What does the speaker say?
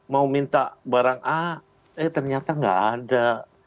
mau minta barang a eh ternyata nggak ada